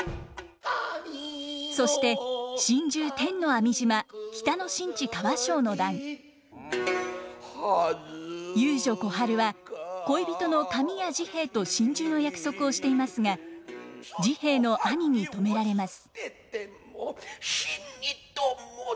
そして遊女小春は恋人の紙屋治兵衛と心中の約束をしていますが治兵衛の兄に止められます。